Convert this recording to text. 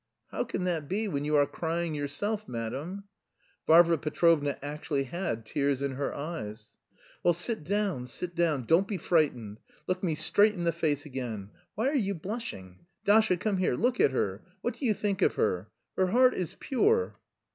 "How can that be when you are crying yourself, madam?" Varvara Petrovna actually had tears in her eyes. "Well, sit down, sit down, don't be frightened. Look me straight in the face again. Why are you blushing? Dasha, come here. Look at her. What do you think of her? Her heart is pure...."